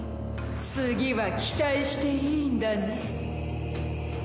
次は期待していいんだね？